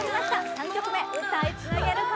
３曲目歌いつなげるか？